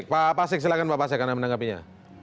pak pasek silahkan menanggapinya